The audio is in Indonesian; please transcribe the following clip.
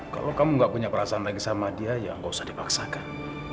kalau kamu gak punya perasaan lagi sama dia ya gak usah dipaksakan